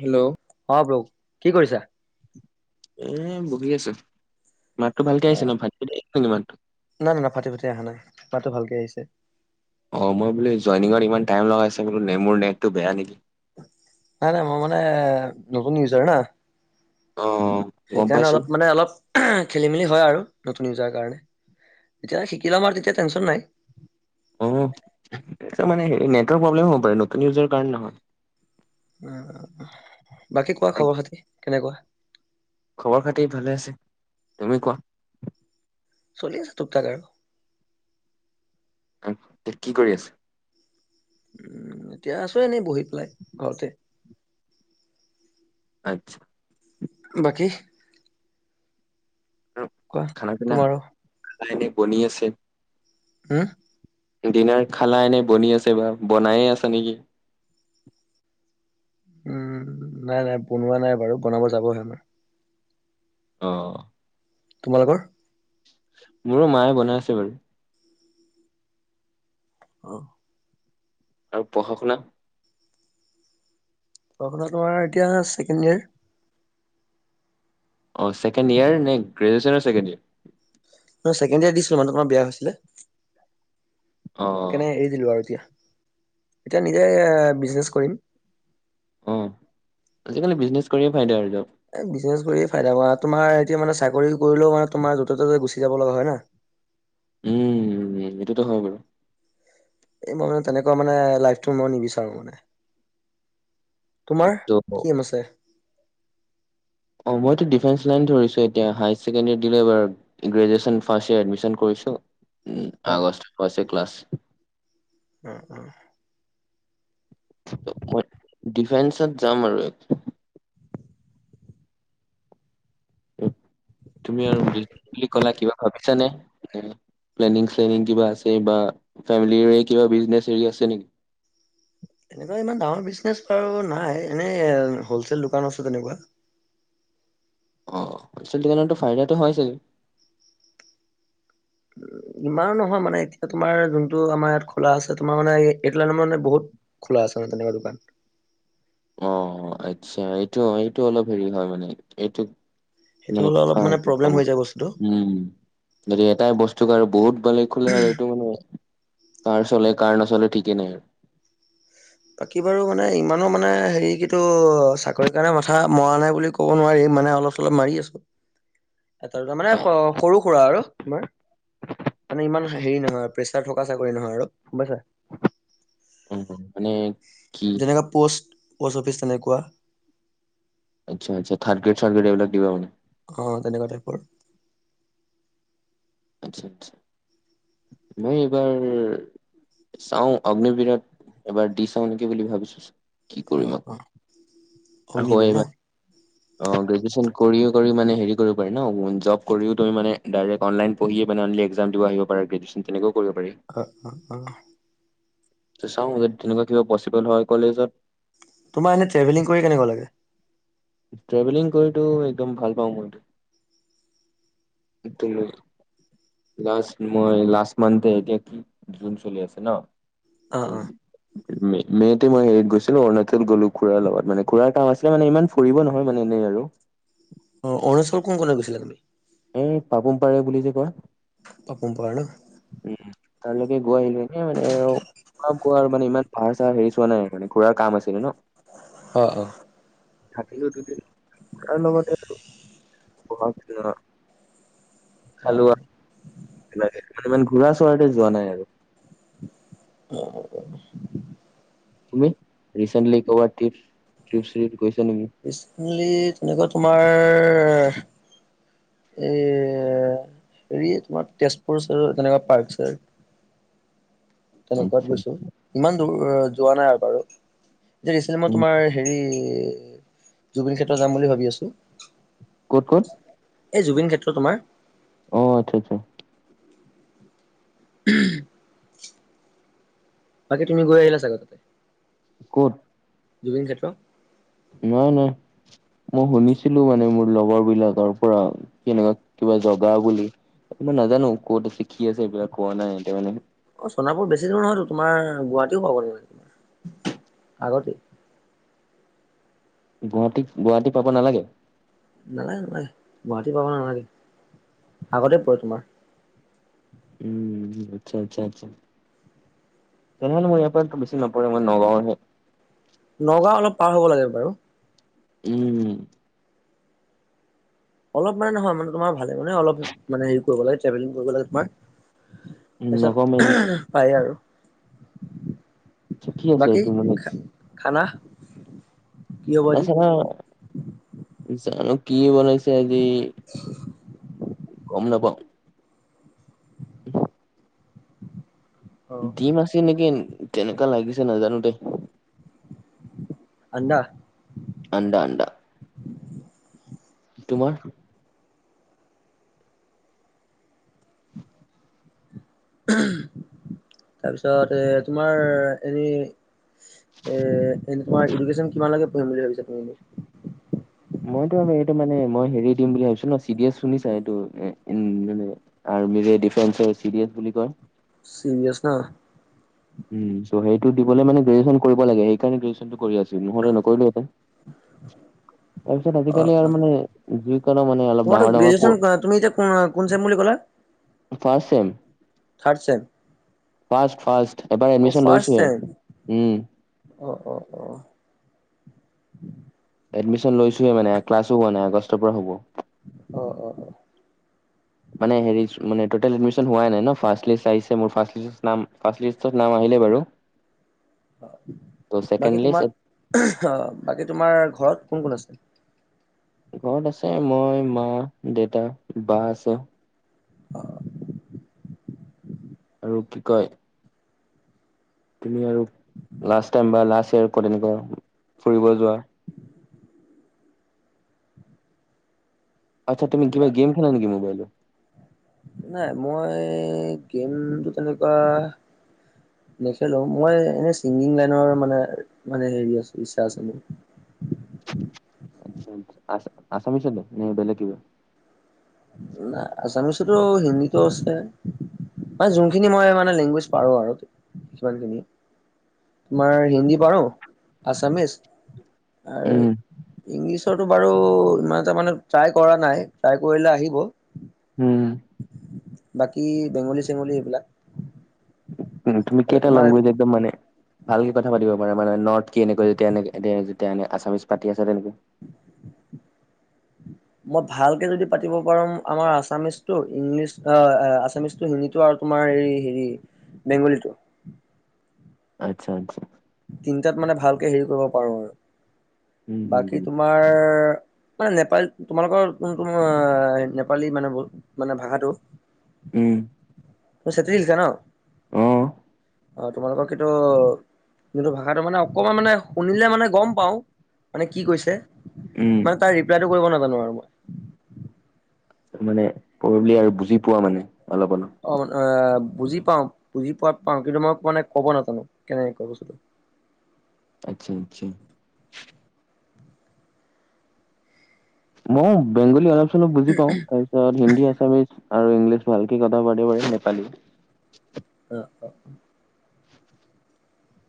Hello অঁ ব্ৰৌ কি কৰিছা এ বহি আছো মাততো ভালকৈ আহিছে ন নাই ফাটি ফাটি মাতটো নাই না না ফাটি ফাটি অহা নাই মাতো ভালকৈ আহিছে অঁ মই বোলো জইনিঙত ইমান টাইম লগছে বোলো মোৰ নেটটো বেয়া নেকি নাই নাই মই মানে নতুন ইউজাৰ না অ গম সেইকাৰণে পাইছো অলপ মানে অলপ খেলি মেলি হয় আৰু নতুন ইউজাৰ কাৰণে যেতিয়া শিকি লম আৰু তেতিয়া টেনশন নাই অঁ মানে এই নেটৱৰ্ক প্ৰব্লেম হ'ব পাৰে নতুন ইউজৰ কাৰণে নহয় উমম বাকী কোৱা আৰু খবৰ খাতি কেনেকুৱা খবৰ খাতি ভালে আছে তুমি কোৱা চলি আছে টোকতাক আৰু কি কৰি আছে উম এতিয়া আছো এনেই বহি পেলাই ঘৰতে আত্ছা বাকী উ কোৱা খানা পিনা তোমাৰো নাই নাই বনায় আছে হম ডিনাৰ খালা এনেই বনি আছে বা বনায়ে আছা নেকি উম নাই নাই বনোৱা নাই বাৰু বনাব যাবহে আমাৰ অঁ তোমালোকৰ মোৰো মায়ে বনাই আছে বাৰু অঁ আৰু পঢ়া শুনা পঢ়া শুনা তোমাৰ এতিয়া ছেকেণ্ড ইয়েৰ অঁ ছেকেণ্ড ইয়াৰ নে গ্ৰেজুৱেচনৰ ছেকেণ্ড ইয়াৰ ছেকেণ্ড ইয়াৰ দিছিলো মানে তোমাৰ বেয়া হৈছিলে অ কেনে এৰি দিলো আৰু এতিয়া এতিয়া নিজে বিজনেছ কৰিম অঁহ আজিকালি বিজনেচ কৰিয়ে ফাইদা আৰু এক বিজনেছ কৰি ফাইদা আৰু তোমাৰ এতিয়া মানে চাকৰি কৰিলেও মানে তোমাৰ য'তে ত'তে গুচি যাব লগা হয় না উম এইটোতো হয় বাৰু এই মই মানে তেনেকুৱা মানে লাইফটো মই নিবিচাৰো মানে তোমাৰ, ত' কিম আছে অঁ মইতো ডিফেন্স লাইন ধৰিছোঁ এতিয়া হায়াৰ ছেকেণ্ডেৰী দিলো এইবাৰ গ্ৰেজুৱেশ্যন ফাৰ্ষট ইয়েৰ এডমি্যন কৰিছোঁ। উম, হয় আগষ্টৰ পাচত ক্লাছ। [inaudible] মই ডিফেন্সত যাম আৰু। তুমি আৰু [unintelligible] বুলি ক'লা কিবা ভাবিছানে প্লেনিং কিবা আছে বা ফেমিলিৰে কিবা বিজনেছ হেৰি আছে নেকি। এনেকুৱা ইমান ডাঙৰ বিজনেচ বাৰু নাই, এনেই হলচেল দোকান আছে তেনেকুৱা। অঁ, হোলচেল দোকানত ফাইদাটো হয় ছাগে ইমানো নহয় মানে এতিয়া তোমাৰ যোনটো আমাৰ ইয়াত খোলা আছে, তোমাৰ মানে এইটো লাইনত মানে বহুত খোলা আছে মানে তেনেকুৱা দোকান। অঁ আচ্ছা এইটো-এইটো অলপ হেৰি হয় মানে, এইটো সেইটো মানে হ'লে অলপ কি প্ৰব্লেম কম, হৈ যায় বস্তুটো উম এটাই বস্তু আৰু বহুত ভালে খোলে আৰু এইটো মানে কাৰ চলে কাৰ নচলে ঠিকেই নাই আৰু। বাকী বাৰু মানে ইমানো মানে হেৰি কেতো চাকৰি কাৰণে মাথা মৰা নাই বুলি ক'ব নোৱাৰি, মানে অলপ চলপ মাৰি আছো। এটা দুটা মানে অ স সৰু সুৰা আৰু তোমাৰ, মানে ইমান হেৰি নহয় প্ৰেচাৰ থকা চাকৰি নহয় আৰু গম পাইছা। উম, উম। মানে কি যেনেকা পোষ্ট পোষ্ট অফিচ, তেনেকুৱা। আচ্ছা আচ্ছা, থাৰ্ডগ্ৰেড সাৰ্ডগ্ৰেড এইবিলাক দিবা মানে। অঁ তেনেকুৱা টাইপৰ। আচ্ছা-আচছা, মই এইবাৰ চাও অগ্নিবীৰত এবাৰ দি চাও নেকি বুলি ভাবিছো। কি কৰিম আকৌ। অগ্নি আকৌ এই বীৰ ন'। মানে অ গ্ৰেজুৱেচন কৰিয়ে কৰি মানে হেৰি কৰিব পাৰে ন জব কৰিও তুমি মানে ডাইৰেক্ট অনলাইন পঢ়িয়ে় মানে অনলি এক্সাম দিব আহিব পাৰাকে দিছে তেনেকও অঁ অঁ-অঁ। চাওঁ যদি তেনেকুৱা কিবা পচিবল হয় কলেজত তোমাৰ এনে ট্ৰেভেলিং কৰি কেনেকুৱা লাগে? ট্ৰেভেলিং কৰিটো একদম ভাল পাওঁ মইটো, [unintelligible] লাষ্ট মই লাষ্ট মন্থ এ এতিয়া কি জুন চলি আছে ন'। অঁ জুন অঁ। মে মে'টো মই হেৰিত গৈছিলো অৰুণাচল গলো খুৰাৰ লগত মানে খুৰাৰ কাম আছিলে মানে ইমান ফুৰিব নহয় মানে এনেই আৰু। অঁ অৰুনাচল কোনকোনে গৈছিলা তুমি? এ পাপুম পাৰে বুলি যে কয়। পাপুম পাৰ ন'। উম, তালৈকে গৈ আহিলো আৰু এনে মানে আৰু কাম কৰাৰ আৰু মানে ইমান পাহাৰ চাহাৰ হেৰি চোৱা নাই, খুৰাৰ কাম আছিলে ন'। অঁ অঁ। থাকিলো দুদিন, তাৰ লগতে থাকোঁ বুঢ়া হৈছে ন'। অঁ। লাগে মানে ইমান ঘূৰা চুৰাকে যোৱা নাই আৰু। অ হব তুমি ৰিচেণ্টলী কৰবাত ট্ৰিপ ট্ৰিপ চ্ৰিপ গৈছা নেকি ৰিচেন্টলি তেনেকুৱা তোমাৰ এ হেৰি তোমাৰ তেজপুৰ চাইডত তেনেকুৱা পাৰ্ক চাৰ্ক তেনে কত আচ্ছা গৈছে ইমান যোৱা নাই আৰু বাৰু যে ৰিচেণ্ট মই তোমাৰ হেৰি এ জুবিন ক্ষেত্রত যাম বুলি ভাবি আছো। ক'ত ক'ত? এই জুবিন ক্ষেত্ৰ তোমাৰ। অ আচ্ছা আচ্ছা [unintelligible] বাকি তুমি গৈ আহিলা চাগে কত জুবিন ক্ষেত্র নাহ নাহ মই শুনিছিলো মানে মোৰ লগৰ বিলাকৰ পৰা কেনেকুৱা কিবা জগা বুলি নাজানো কত আছে কি আছে সেবিলাক কোৱা নাই এতিয়া মানে চণাপুৰ বেছি দূৰ নহয়তো তোমাৰ গুৱাহাটীও পাব গে নালাগে তোমাৰ আগতে গুৱাহাটী গুৱাহাটী পাব নালাগে নালাগে নালাগে গুৱাহাটী পাব নালাগে আগতে পৰে তোমাৰ উম আচ্ছা আচ্ছা আচ্ছা তেনেহলে মই ইয়াৰ পৰা বেছি নপৰে মই নগাঁৱৰহে নগাঁও অলপ পাৰ হ'ব লাগে বাৰু উম অলপ মানে নহয় মানে তোমাৰ ভালে মানে অলপ মানে হেৰি কৰিব লাগে চেভিং কৰিব লাগে তোমাৰ তাৰপিছত নগাঁও মেইন পায় আৰু কি আছে বাকী এইটো মানে খানা কি হ'ব আজি আচনে জান কি বনাইছে হেৰি গম নাপাওঁ উ অ ডিম আছে নেকি কেনেকুৱা লাগিছে নাজানো দেই আন্দা আণ্ডা-আণ্ডা তোমাৰ তাৰপিছত এ তোমাৰ হেৰি এ এনে তোমাৰ এডুকেচন কিমান লকে পঢ়িম বুলি ভাবিছা তুমি মইতো এইটো মানে মই হেৰি দিম বুলি ভাবিছো ন চি এছ শুনিছা এইটো মানে আৰ্মিৰে ডিফেস চি এছ বুলি কয় চি বিএছ নহ উম চ' সেইটো দিব মানে গ্ৰেজুৱেচন কৰিব লাগে সেইকাৰণে গ্ৰেজুৱেচনটো কৰি আছো মই হলে নকৰিলো হলে তাৰপিছত অ আজিকালি আৰু অ মানে ডিউক তোমাৰতো গ্ৰেজুৱেচন তুমি এতিয়া কোন চেম বুলি ক'লা first sem third sem first first এবাৰ অ এডমিশন ফাৰ্ষ্ট লৈছোহে চেম উম অ অ অ এডমিশন লৈছোহে মানে ক্লাছো হোৱা নাই আগষ্টৰ পৰা হ'ব অ অ অ মানে হেৰি মানে টুটেল এডমিশ্যন হোৱাই নাই ন ফাৰ্ষ্ট লিষ্ট আহিছে মোৰ ফাৰ্ষ্ট লিষ্ট নাম ফাৰ্ষ্ট লিষ্টত নাম আহিলে বাৰু হয় ত' ছেকেণ্ড বাকী লিষ্ট তোমাৰ অ বাকী তোমাৰ ঘৰত কোন কোন আছে ঘৰত আছে মই মা দেউতা বা আছে আৰু কি কয় তুমি আৰু লাষ্ট টাইম বা লাষ্ট ইয়ৰ কত এনেকোৱা ফুৰিব যোৱা আচ্ছা তুমি কিবা গেইম খেলা নেকি মোবাইলত [inaudible] নাই মই গেমটো তেনেকোৱা নেখেলো মই এনেই ছিংগিং লাইনৰ মানে মানে হেৰি আ ইচ্ছা আছে মোৰ আ আছামিছত নি নে বেলেগ কিবা আছামিছতো হিন্দীতো আছে মানে যোনখিনি মই মানে লেংগুৱেজ পাৰো আৰু সিমানখিনি তোমাৰ হিন্দী পাৰো আছামিচ আৰু উম ইংলিছ তটো বাৰু ইমান এটা মানে ট্ৰাই কৰা নাই ট্ৰাই কৰিলে আহি ব হম বাকী বেংগলী চেংগলী এইবিলাক তুমি কেইটা তোমাৰ লেংগুৱেজ একদম মানে ভালকে কথা পাতিব পাৰা মানে নৰ্থ কি এনেকৈ যেতিয়া এনে এ যেতিয়া এ আছামিছ পাতি আছে তেনেকে মই ভালকে যদি পাতিব পাৰোম আমাৰ আছামিচটো ইংলিছ আছামিচটো হিন্দীটো আৰু তোমাৰ এই হেৰি বেংগলীটো আচ্ছা আচ্ছা তিনটাত মানে ভালকে হেৰি কৰিব পাৰো উম আৰু বাকী উম তোমাৰ মানে নেপালী তোমালোকৰ কোনটো নেপালী মানে মানে ভাষাটো উম তুমি চেত্ৰী লিখা ন অহ অ তোমালোকৰ কিন্তু যোনটো ভাষাটো মানে অকণমান মানে শুনিলে মানে গম পাওঁ মানে কি কৈছে উম মানে তাৰ ৰিপ্লাইটো কৰিব নালাগে জানো আৰু মই মানে কৈ দিলে বুজি পোৱা মানে অলপ অলপ অন এ বুজি পাওঁ বুজি পোৱাত পাওঁ কিন্তু মই মানে ক'ব নাজানো কেনেকে কয় বস্তুটো আচ্ছা আচ্ছা মই বেংগলী অলপ [unintelligible] বুজি পাওঁ তাৰ পিছত হিন্দী আছামিছ আৰু ইংলিছ ভালকে কথা পাতিব পাৰি নেপালী অ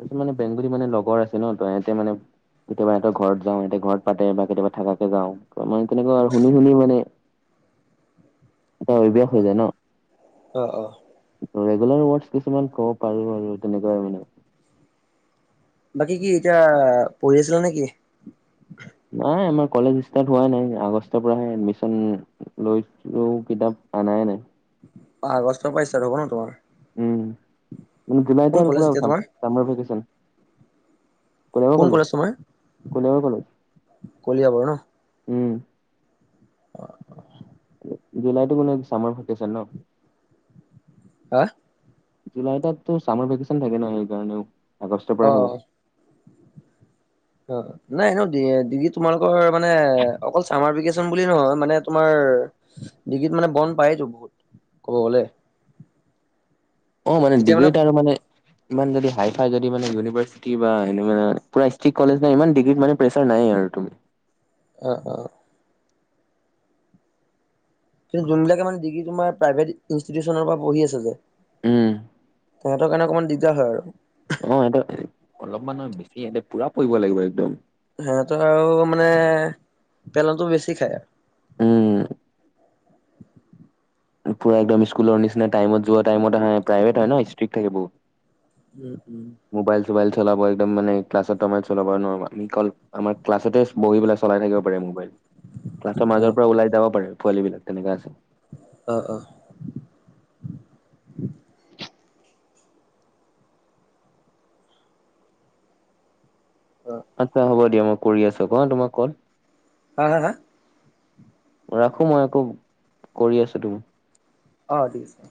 তাৰপিছত মানে বেংগলী মানে লগৰ আছে ন তই ইহতে মানে কেতিয়াবা সিহতৰ ঘৰত যাওঁ ইহতে ঘৰত পাতে বা কেতিয়াবা থাকাকে যাওঁ ত মানে তেনেকুৱা আৰু শুনি শুনি মানে এটা অভ্যাস অ হৈ যায় ন। অ অ ৰেগুলাৰ ৱাটচ দিছে কিছুমান ক'ব পাৰো আৰু তেনেক [unintelligible] বাকী কি এতিয়া পঢ়ি আছিলা নেকি? নাই আমাৰ কলেজ ষ্টাৰ্ট হোৱা নাই আগষ্টৰ পৰাহে এডমিশ্যন লৈছো কিতাপ অনাই নাই আ আগষ্টৰ পৰা ইষ্টাৰ্ট হ'ব ন তোমাৰ। উম উম জুলাইত কোন আৰু কলেজ পুৰা এতিয়া ভাল তোমাৰ চামাৰ ভেকেচন। কোন কলেজ তোমাৰ, কলিয়াবৰ কলেজ কলিয়াবৰ ন। উম জুলাইতো মানে চামাৰ ভেকেশ্যন ন। আহ জুলাই তাত তোৰ চামাৰ ভেকেচন থাকে ন, সেইকাৰণেও। আগষ্ট পৰাই হ'ব। অ, অ, নাই ইনেও ডি ডিগ্ৰী তোমালোকৰ মানে অকল চামাৰ ভেকেশ্যন বুলি নহয়, মানে তোমাৰ ডিগ্ৰীত মানে বন্ পায়তো বহুত ক'ব গ'লে। অ মানে ডিগ্ৰীত আৰু মানে ইমান যদি হাই হয়, যদি মানে ইউনিভাৰ্চিটি বা এনেকুৱা পোৰা ইষ্ট্ৰিক কলেজ ন ইমান ডিগ্ৰীত মানে প্ৰেচাৰ নাই আৰু তুম অ অ কিন্তু যোনবিলাকে মানে ডিগ্ৰী তোমাৰ প্ৰাইভেট ইনিটিউচনৰ পৰা পঢ়ি আছে যে উম সিহঁতৰ কাৰণে অকমান দিগদাৰ হয় আৰু। অ সিহঁত অলপমান নহয় বেছিই সিহঁতে পুৰা পঢ়িব লাগিব একদম। সিহতৰ আৰু মানে পেলনতো বেছি খায় আৰু। উম পুৰা একদম স্কুলৰ নিচিনা টাইমত যোৱা টাইমত অহা প্ৰাইভেট হয় ন ষ্ট্ৰিক থাকে বহুত। উম মোবাইলতো মোবাইল চলাব একদম মানে ক্লাছ টাইমত চলাব নোৱাৰিবা। নিকল আমি আমাৰ ক্লাছতে বহি পেলাই চলাই থাকিব পাৰি মোবাইল। ক্লাছৰ অ মাজৰ পৰা ওলাই যাব পাৰে পোৱালী বিলাক তেনেকা আছে। অ অ অ আচ্ছা হ'ব দিয়া মোক কৰি আছো ক তোমাক কল হা হা হা ৰাখো মই একো, কৰি আছো তুমি। অ, দি আছো।